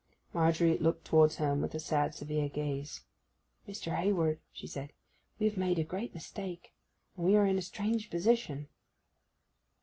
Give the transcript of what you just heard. Margery looked towards home with a sad, severe gaze. 'Mr. Hayward,' she said, 'we have made a great mistake, and we are in a strange position.